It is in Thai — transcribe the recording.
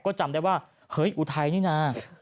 ก็จำได้ว่าเฮ้ยอุทัยนี่นะ